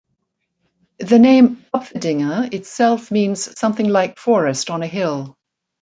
The name "Uppvidinge" itself means something like forest on a hill.